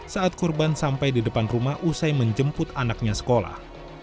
saat korban sampai di depan rumah usai menjemput anaknya sekolah